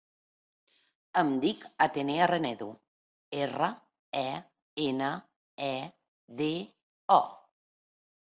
Em dic Atenea Renedo: erra, e, ena, e, de, o.